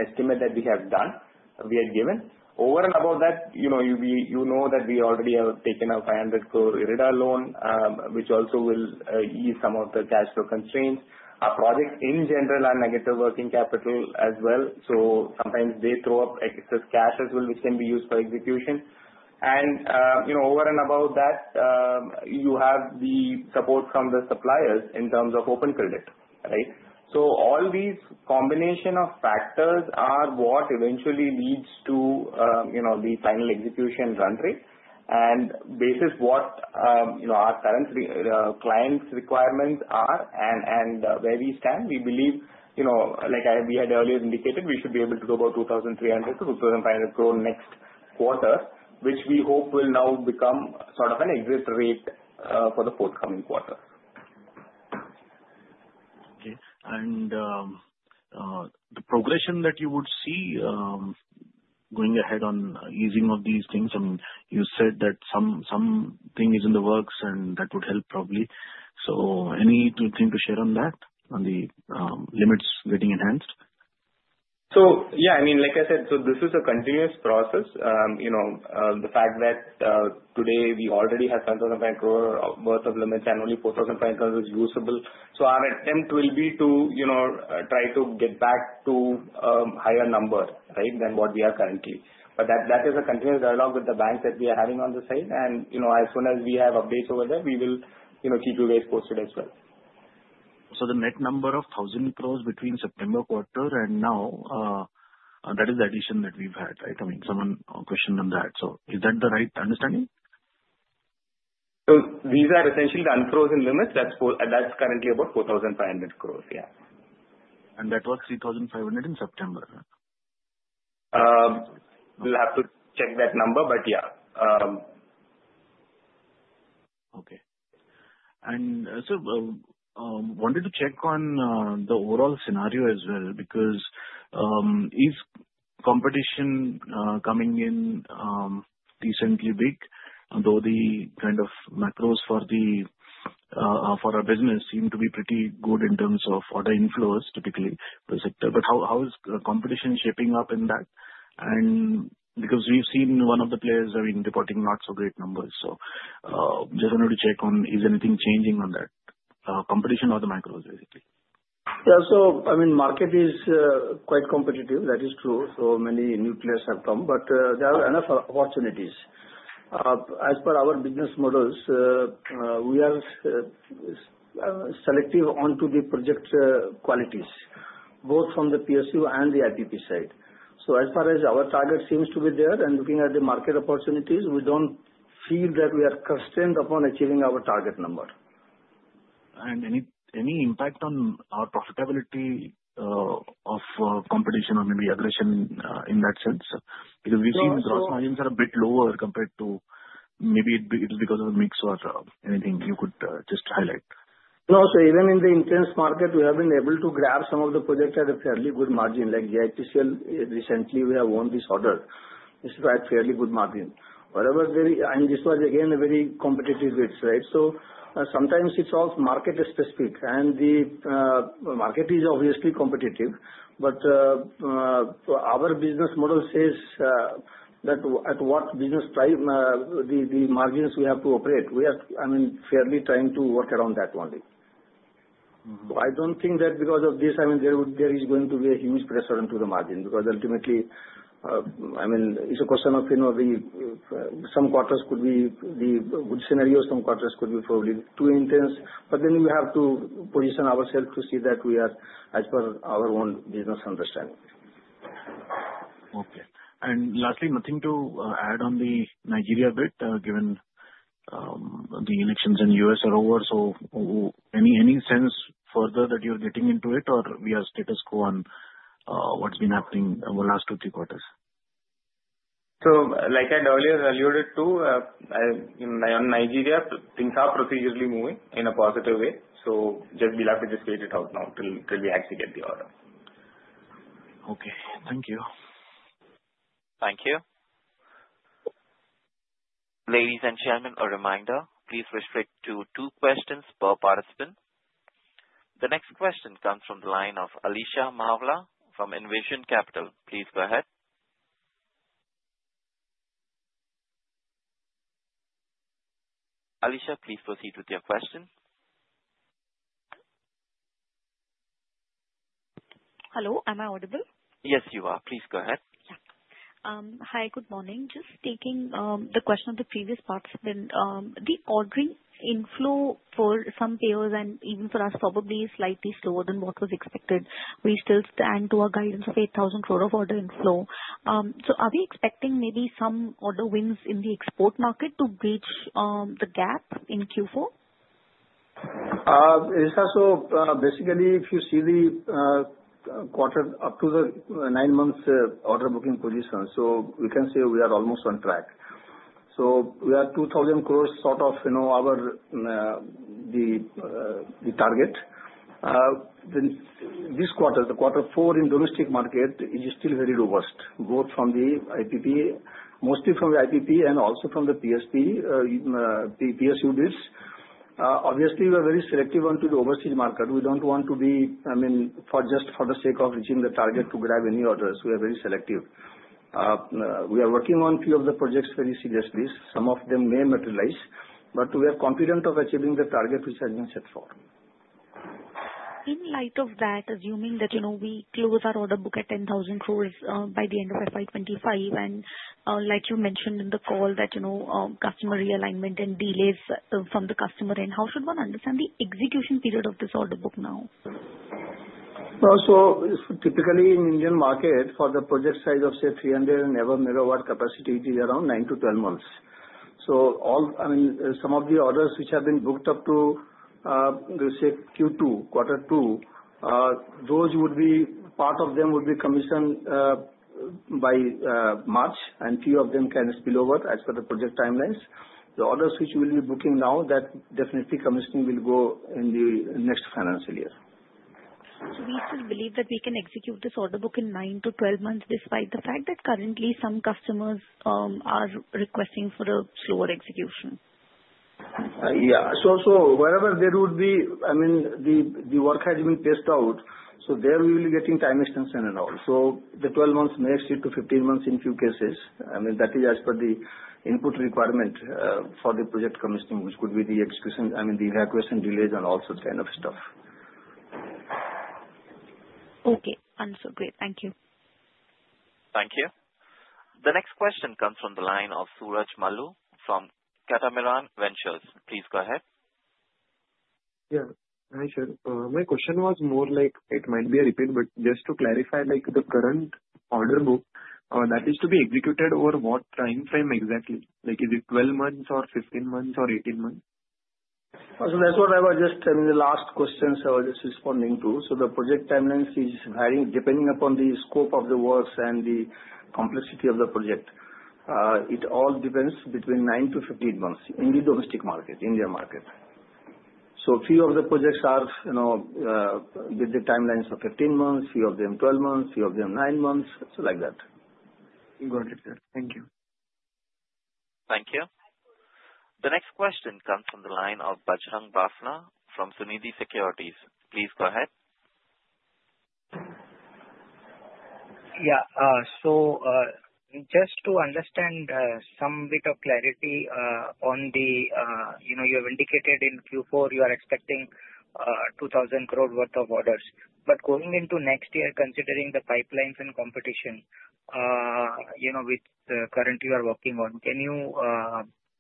estimate that we had given. Over and above that, you know that we already have taken a 500 crores IREDA loan, which also will ease some of the cash flow constraints. Our projects, in general, are negative working capital as well. So sometimes they throw up excess cash as well, which can be used for execution. And over and above that, you have the support from the suppliers in terms of open credit, right? So all these combinations of factors are what eventually leads to the final execution run rate. Based on what our current client's requirements are and where we stand, we believe, like we had earlier indicated, we should be able to go about 2,300-2,500 crores next quarter, which we hope will now become sort of an exit rate for the forthcoming quarter. Okay. And the progression that you would see going ahead on easing of these things, I mean, you said that something is in the works, and that would help probably. So anything to share on that, on the limits getting enhanced? Yeah, I mean, like I said, this is a continuous process. The fact that today we already have 1,500 crores' worth of limits and only 4,500 is usable. Our attempt will be to try to get back to a higher number, right, than what we are currently. But that is a continuous dialogue with the banks that we are having on the side. And as soon as we have updates over there, we will keep you guys posted as well. So the net number of 1,000 crores between September quarter and now, that is the addition that we've had, right? I mean, someone questioned on that. So is that the right understanding? These are essentially the unfrozen limits. That's currently about 4,500 crores, yeah. That was 3,500 in September, right? We'll have to check that number, but yeah. Okay, and sir, wanted to check on the overall scenario as well because is competition coming in decently big, although the kind of macros for our business seem to be pretty good in terms of order inflows, typically, for the sector, but how is competition shaping up in that, and because we've seen one of the players, I mean, reporting not so great numbers, so just wanted to check on is anything changing on that, competition or the macros, basically? Yeah. So I mean, market is quite competitive. That is true. So many new players have come. But there are enough opportunities. As per our business models, we are selective onto the project qualities, both from the PSU and the IPP side. So as far as our target seems to be there, and looking at the market opportunities, we don't feel that we are constrained upon achieving our target number. Any impact on our profitability of competition or maybe aggression in that sense? Because we've seen the gross margins are a bit lower compared to maybe it's because of the mix or anything you could just highlight. No, sir. Even in the intense market, we have been able to grab some of the projects at a fairly good margin. Like the GIPCL, recently, we have won this order. It's quite fairly good margin. However, I mean, this was, again, a very competitive bid, right? So sometimes it's all market-specific, and the market is obviously competitive, but our business model says that at what business price the margins we have to operate. We are, I mean, fairly trying to work around that only, so I don't think that because of this, I mean, there is going to be a huge pressure into the margin because ultimately, I mean, it's a question of some quarters could be the good scenario, some quarters could be probably too intense, but then we have to position ourselves to see that we are as per our own business understanding. Okay. And lastly, nothing to add on the Nigeria bit, given the elections in the U.S. are over. So any sense further that you're getting into it, or we have status quo on what's been happening over the last two, three quarters? So like I had earlier alluded to, on Nigeria, things are procedurally moving in a positive way. So just be lucky to just wait it out now until we actually get the order. Okay. Thank you. Thank you. Ladies and gentlemen, a reminder, please up to two questions per participant. The next question comes from the line of Alisha Mahawla from Envision Capital. Please go ahead. Alicia, please proceed with your question. Hello. Am I audible? Yes, you are. Please go ahead. Yeah. Hi, good morning. Just taking the question of the previous participant, the order inflow for some players and even for us probably is slightly slower than what was expected. We still stand by our guidance of 8,000 crores of order inflow. So are we expecting maybe some order wins in the export market to bridge the gap in Q4? It is also basically, if you see the quarter up to the nine-month order booking position, so we can say we are almost on track. So we are 2,000 crores sort of our target. This quarter, the quarter four in domestic market is still very robust, both from the IPP, mostly from the IPP and also from the PSU bids. Obviously, we are very selective onto the overseas market. We don't want to be, I mean, just for the sake of reaching the target to grab any orders. We are very selective. We are working on a few of the projects very seriously. Some of them may materialize, but we are confident of achieving the target which has been set forth. In light of that, assuming that we close our order book at 10,000 crores by the end of FY25, and like you mentioned in the call, that customer realignment and delays from the customer end, how should one understand the execution period of this order book now? Well, so typically, in the Indian market, for the project size of, say, 300 and above megawatt capacity, it is around 9-12 months. So I mean, some of the orders which have been booked up to, say, Q2, quarter two, those would be part of them would be commissioned by March, and a few of them can spill over as per the project timelines. The orders which we'll be booking now, that definitely commissioning will go in the next financial year. Do we still believe that we can execute this order book in nine to 12 months despite the fact that currently some customers are requesting for a slower execution? Yeah. So wherever there would be, I mean, the work has been paced out. So there we will be getting time extensions and all. So the 12 months may extend to 15 months in a few cases. I mean, that is as per the input requirement for the project commissioning, which could be the execution, I mean, the evacuation delays and all sorts of kind of stuff. Okay. I'm so great. Thank you. Thank you. The next question comes from the line of Suraj Malu from Catamaran Ventures. Please go ahead. Yeah. Hi, sir. My question was more like it might be a repeat, but just to clarify, the current order book, that is to be executed over what time frame exactly? Is it 12 months or 15 months or 18 months? That's what I was just, I mean, the last questions I was just responding to. The project timelines is varying depending upon the scope of the works and the complexity of the project. It all depends between nine to 15 months in the domestic market, Indian market. A few of the projects are with the timelines of 15 months, a few of them 12 months, a few of them nine months, so like that. Got it. Thank you. Thank you. The next question comes from the line of Bajrang Bafna from Sunidhi Securities. Please go ahead. Yeah. So just to understand, some bit of clarity on the, you have indicated in Q4 you are expecting 2,000 crores' worth of orders. But going into next year, considering the pipelines and competition with currently you are working on, can you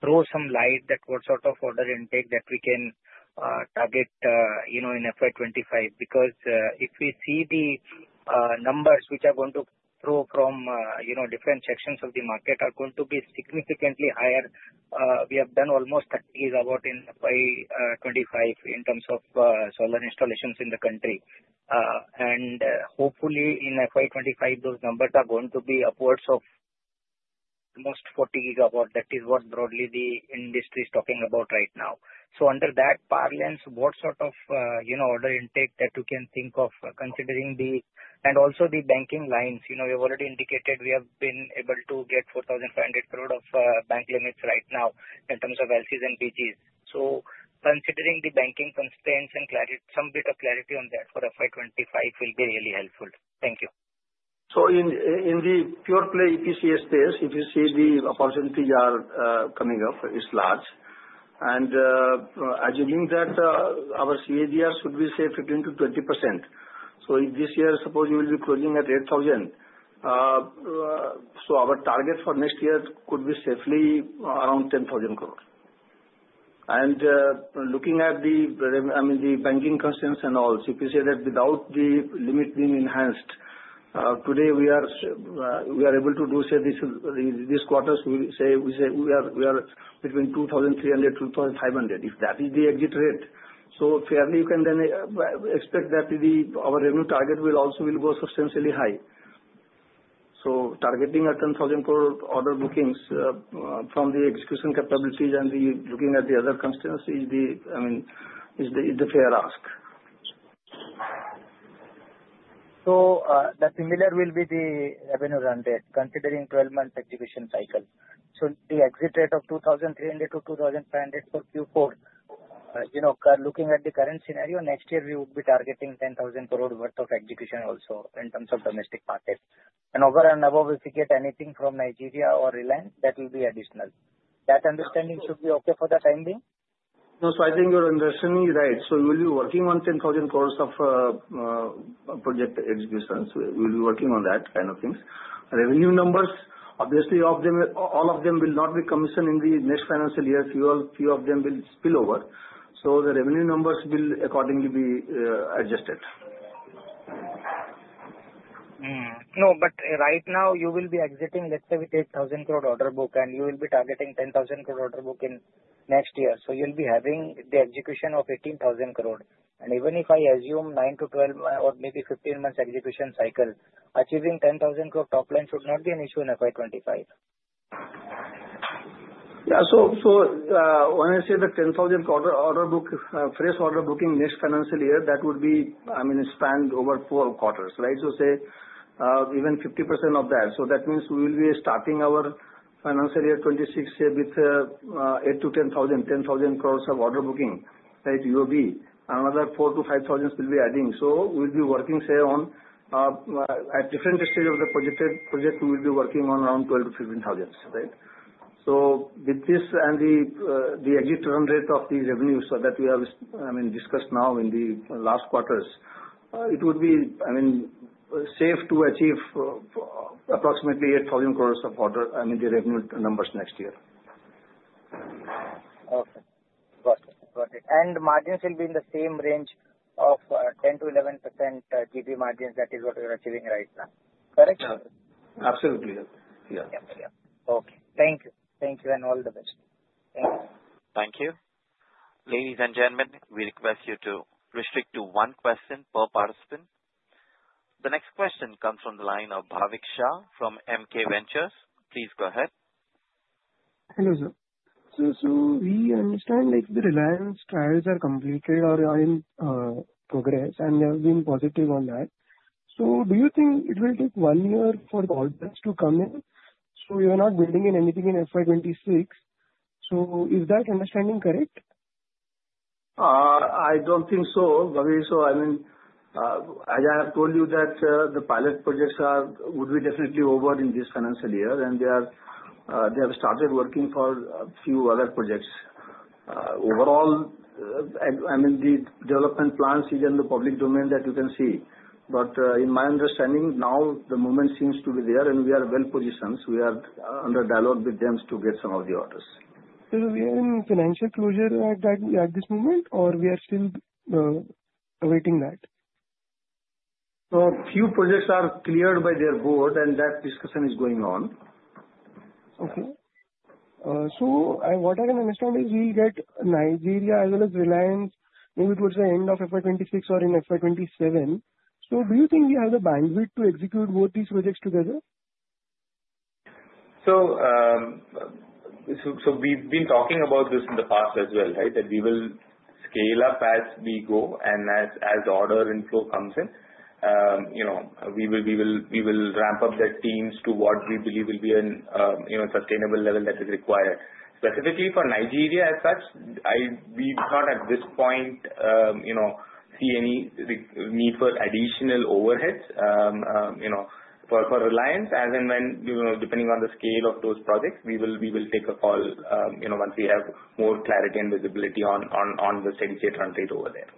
throw some light at what sort of order intake that we can target in FY25? Because if we see the numbers which are going to flow from different sections of the market are going to be significantly higher. We have done almost 30 gigawatt in FY25 in terms of solar installations in the country. And hopefully, in FY25, those numbers are going to be upwards of almost 40 GW. That is what broadly the industry is talking about right now. So under that parlance, what sort of order intake that you can think of considering the and also the banking lines. You've already indicated we have been able to get 4,500 crores of bank limits right now in terms of LCs and BGs. So considering the banking constraints and some bit of clarity on that for FY25 will be really helpful. Thank you. So in the pure play EPC space, if you see the opportunities are coming up, it's large. And assuming that our CAGR should be, say, 15%-20%. So if this year, suppose we will be closing at 8,000, so our target for next year could be safely around 10,000 crores. And looking at the, I mean, the banking constraints and all, so if you say that without the limit being enhanced, today we are able to do, say, this quarter, we say we are between 2,300-2,500 if that is the exit rate. So fairly, you can then expect that our revenue target will also go substantially high. So targeting a 10,000 crores order bookings from the execution capabilities and looking at the other constraints is the, I mean, is the fair ask. The similar will be the revenue run rate considering 12-month execution cycle. The exit rate of 2,300-2,500 for Q4, looking at the current scenario, next year we would be targeting 10,000 crores' worth of execution also in terms of domestic market. Over and above, if we get anything from Nigeria or Reliance, that will be additional. That understanding should be okay for the time being? No. So I think you're understanding me right. So we'll be working on 10,000 crores of project executions. We'll be working on that kind of things. Revenue numbers, obviously, all of them will not be commissioned in the next financial year. Few of them will spill over. So the revenue numbers will accordingly be adjusted. No, but right now, you will be exiting, let's say, with 8,000 crores order book, and you will be targeting 10,000 crores order book in next year. So you'll be having the execution of 18,000 crores. And even if I assume nine to 12 or maybe 15-month execution cycle, achieving 10,000 crores top line should not be an issue in FY25. Yeah. So when I say the 10,000 crores order book, fresh order booking next financial year, that would be, I mean, spanned over four quarters, right? So say even 50% of that. So that means we will be starting our financial year 2026 with 8,000-10,000, 10,000 crores of order booking, right? It will be another 4,000-5,000 will be adding. So we'll be working, say, on at different stages of the project we will be working on around 12,000-15,000, right? So with this and the exit run rate of the revenues that we have, I mean, discussed now in the last quarters, it would be, I mean, safe to achieve approximately 8,000 crores of order, I mean, the revenue numbers next year. Okay. Got it. Got it. And margins will be in the same range of 10%-11% gross margins. That is what you're achieving right now. Correct? Yeah. Absolutely. Yeah. Yeah. Yeah. Okay. Thank you. Thank you and all the best. Thank you. Thank you. Ladies and gentlemen, we request you to restrict to one question per participant. The next question comes from the line of Bhavik Shah from MK Ventures. Please go ahead. Hello, sir. So we understand the Reliance trials are completed or in progress, and they have been positive on that. So do you think it will take one year for the orders to come in? So you are not building in anything in FY26. So is that understanding correct? I don't think so. So I mean, as I have told you that the pilot projects would be definitely over in this financial year, and they have started working for a few other projects. Overall, I mean, the development plans are in the public domain that you can see. But in my understanding, now the moment seems to be there, and we are well positioned. We are under dialogue with them to get some of the orders. We are in financial closure at this moment, or we are still awaiting that? A few projects are cleared by their board, and that discussion is going on. Okay. So what I can understand is we'll get Nigeria as well as Reliance maybe towards the end of FY26 or in FY27. So do you think we have the bandwidth to execute both these projects together? So we've been talking about this in the past as well, right, that we will scale up as we go, and as order inflow comes in, we will ramp up the teams to what we believe will be a sustainable level that is required. Specifically for Nigeria as such, we do not at this point see any need for additional overhead for Reliance. As in when, depending on the scale of those projects, we will take a call once we have more clarity and visibility on the steady state run rate over there.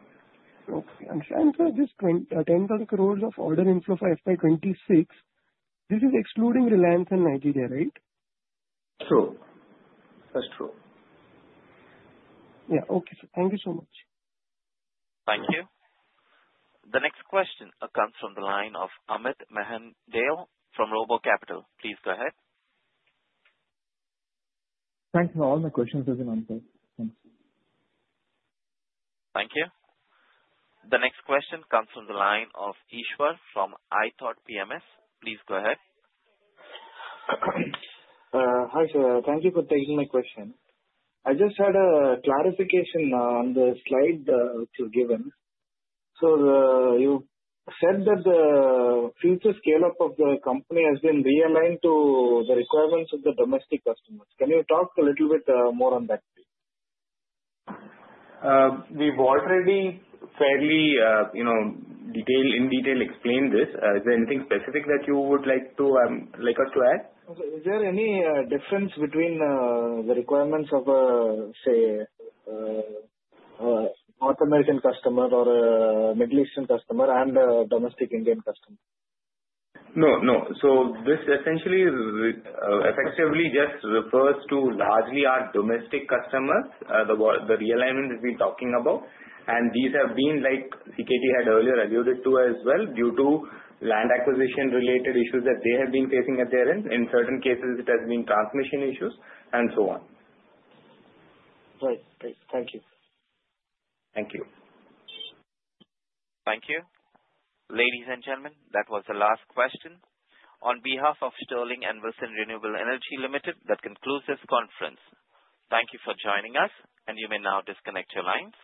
Okay. I'm trying to understand 10,000 crores of order inflow for FY26. This is excluding Reliance and Nigeria, right? True. That's true. Yeah. Okay. Thank you so much. Thank you. The next question comes from the line of Amit Mehendale from Robo Capital. Please go ahead. Thanks. All my questions have been answered. Thanks. Thank you. The next question comes from the line of Eshwar from iThought PMS. Please go ahead. Hi, sir. Thank you for taking my question. I just had a clarification on the slide which was given. So you said that the future scale-up of the company has been realigned to the requirements of the domestic customers. Can you talk a little bit more on that? We've already fairly in detail explained this. Is there anything specific that you would like us to add? Is there any difference between the requirements of a, say, North American customer or a Middle Eastern customer and a domestic Indian customer? No. No. So this essentially effectively just refers to largely our domestic customers, the realignment we've been talking about. And these have been, like CKT had earlier alluded to as well, due to land acquisition-related issues that they have been facing at their end. In certain cases, it has been transmission issues and so on. Right. Great. Thank you. Thank you. Thank you. Ladies and gentlemen, that was the last question. On behalf of Sterling and Wilson Renewable Energy Ltd., that concludes this conference. Thank you for joining us, and you may now disconnect your lines.